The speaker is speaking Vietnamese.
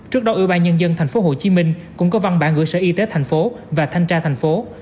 trước đó ủy ban nhân dân tp hcm cũng có văn bản gửi sở y tế tp hcm và thanh tra tp hcm